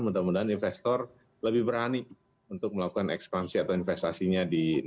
mudah mudahan investor lebih berani untuk melakukan ekspansi atau investasinya